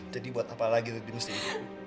jadi buat apa lagi rudy mesti ikut